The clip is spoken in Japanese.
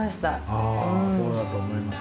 ああそうだと思います。